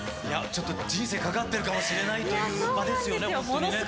いや、ちょっと人生かかってるかもしれないという場ですよね、本当にね。